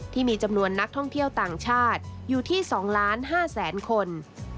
ที่มีจำนวนนักท่องเที่ยวต่างชาติอยู่ที่๒๕๐๐๐คน